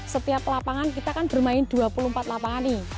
setiap lapangan kita kan bermain dua puluh empat lapangan nih